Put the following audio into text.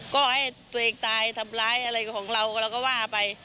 ก็ให้ตัวเองตายทำร้ายอะไรของเราเราก็ว่าไป